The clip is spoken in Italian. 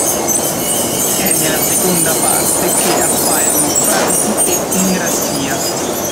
È nella seconda parte che appaiono Franchi e Ingrassia.